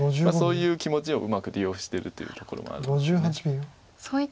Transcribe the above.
そういう気持ちをうまく利用してるというところもあるんです。